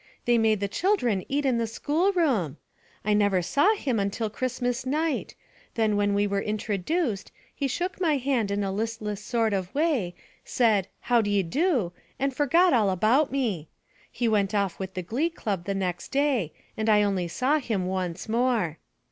They made the children eat in the school room! I never saw him until Christmas night; then when we were introduced, he shook my hand in a listless sort of way, said "How d'y' do?" and forgot all about me. He went off with the Glee Club the next day, and I only saw him once more.